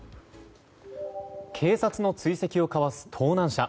警察の追跡をかわす盗難車。